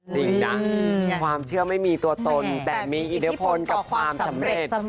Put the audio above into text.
จริงนะความเชื่อไม่มีตัวตนแต่มีอิทธิพลกับความสำเร็จ